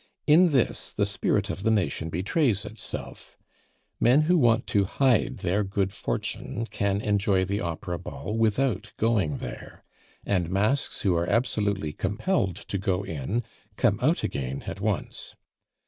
In this the spirit of the nation betrays itself. Men who want to hide their good fortune can enjoy the opera ball without going there; and masks who are absolutely compelled to go in come out again at once.